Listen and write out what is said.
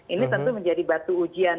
ini tentu menjadi batu ujian